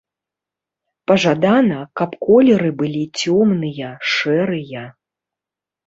Пажадана, каб колеры былі цёмныя, шэрыя.